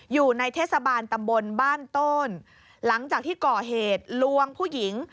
อยู่ในเทศบาลตำบลบ้านโตนหลังจากที่ก่อเหตุลวงผู้หญิง